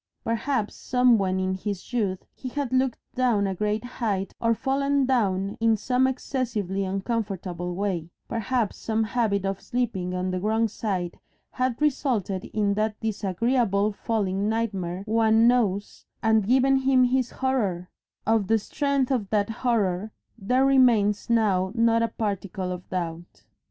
Perhaps somewhen in his youth he had looked down a great height or fallen down in some excessively uncomfortable way; perhaps some habit of sleeping on the wrong side had resulted in that disagreeable falling nightmare one knows, and given him his horror; of the strength of that horror there remains now not a particle of doubt.